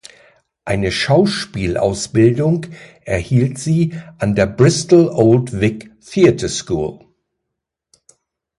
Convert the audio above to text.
Eine Schauspielausbildung erhielt sie an der "Bristol Old Vic Theatre School".